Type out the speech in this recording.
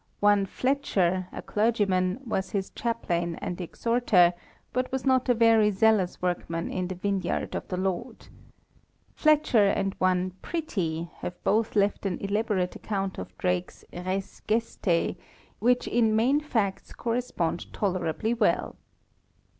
One Fletcher, a clergyman, was his chaplain and exhorter, but was not a very zealous workman in the yine yard of the Lord. Fletcher and one Pretty have both left an elaborate account of Drake's "res geste," which in main facts correspond tolerably well.